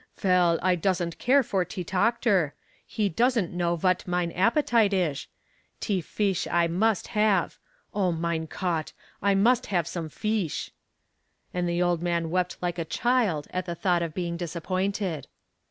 "Vell, I dusn't care for te toctor he dusn't know vat mine appetite ish te feesh I must have. Oh, mine Cot! I must have some feesh." And the old man wept like a child at the thought of being disappointed.